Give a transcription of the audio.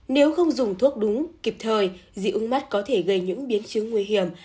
nếu không dùng thuốc đúng kịp thời dị ứng mắt có thể gây những biến chứng nguy hiểm